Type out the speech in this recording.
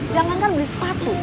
jangan jangan beli sepatu